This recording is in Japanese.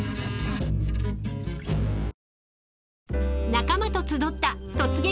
［仲間と集った『突撃！